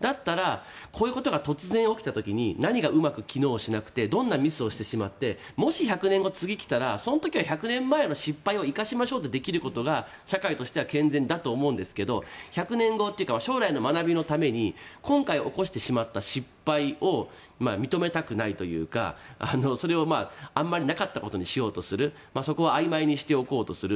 だったらこういうことが突然起きた時に何がうまく機能しなくてどんなミスをしてしまってももし１００年後、次に来たらその時は１００年前の失敗を生かしましょうってできることが社会としては健全だと思うんですが将来の学びのために今回起こしてしまった失敗を認めたくないというかそれをあまりなかったことにしようとするそこはあいまいにしておこうとする。